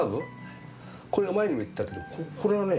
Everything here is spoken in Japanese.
これが前にも言ったけどこれがね